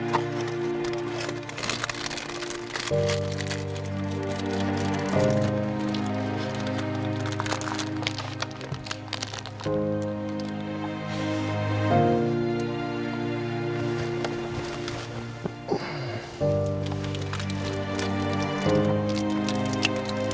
aduh enak banget